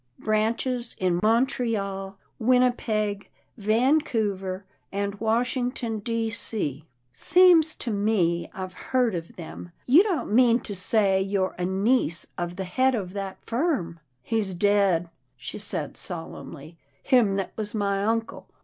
Branches in Montreal, Winnipeg, Van couver, and Washington, D. C — seems to me, I've heard of them. You don't mean to say you're a niece of the head of that firm? "" He's dead," she said, solemnly, " him that was my uncle.